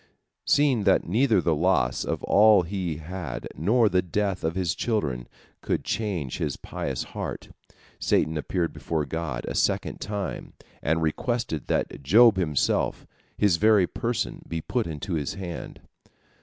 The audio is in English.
Seeing that neither the loss of all he had nor the death of his children could change his pious heart, Satan appeared before God a second time, and requested that Job himself, his very person, be put into his hand.